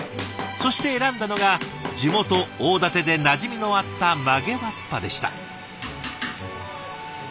そして選んだのが地元大館でなじみのあった曲げわっぱでした。